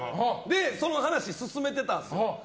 その話を進めてたんですよ。